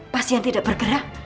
pasien tidak bergerak